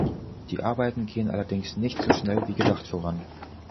Die Arbeiten gehen allerdings nicht so schnell wie gedacht voran.